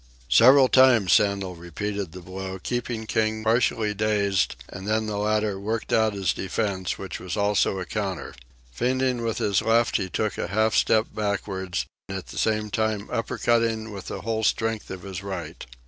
Several times Sandel repeated the blow, keeping King partially dazed, and then the latter worked out his defence, which was also a counter. Feinting with his left he took a half step backward, at the same time upper cutting with the whole strength of his right.